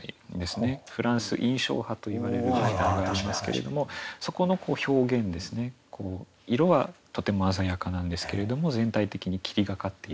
フランス印象派といわれるものがありますけれどもそこの表現ですね色はとても鮮やかなんですけれども全体的に霧がかっているような。